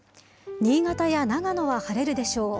新潟や長野は晴れるでしょう。